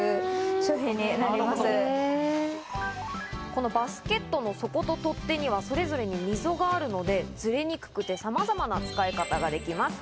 このバスケットの底と取っ手にはそれぞれに溝があるので、ズレにくくて、さまざまな使い方ができます。